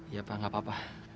ya pak enggak apa apa